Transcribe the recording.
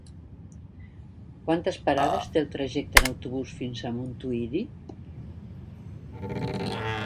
Quantes parades té el trajecte en autobús fins a Montuïri?